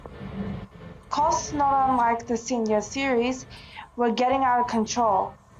Costs, not unlike the senior series, were getting out of control.